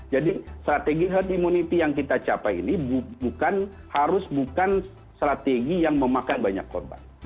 jadi strategi health immunity yang kita capai ini bukan harus bukan strategi yang memakan banyak korban